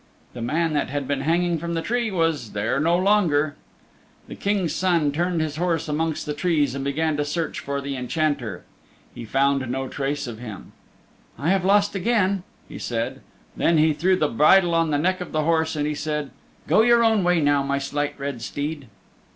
The man that had been hanging from the tree was there no longer. The King's Son turned his horse amongst the trees and began to search for the Enchanter. He found no trace of him. "I have lost again," he said. Then he threw the bridle on the neck of the horse and he said, "Go your own way now, my Slight Red Steed."